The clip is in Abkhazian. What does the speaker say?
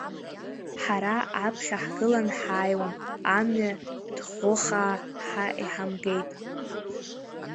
Ҳара аԥхьа ҳгылан ҳааиуам, амҩа ҭӷәыхаа ҳа иҳамгеит.